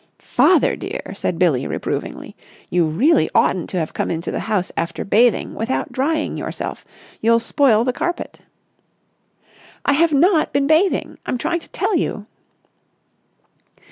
"Father dear," said Billie reprovingly, "you really oughtn't to have come into the house after bathing without drying yourself. You'll spoil the carpet." "I've not been bathing! I'm trying to tell you...."